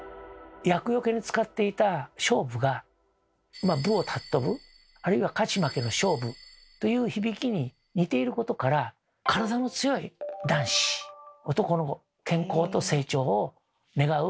厄よけに使っていた菖蒲がまあ武を尚ぶあるいは勝ち負けの「勝負」という響きに似ていることから体の強い男子男の子健康と成長を願う行事へ変わっていったんです。